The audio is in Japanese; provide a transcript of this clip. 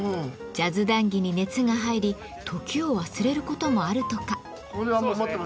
ジャズ談義に熱が入り時を忘れることもあるとか。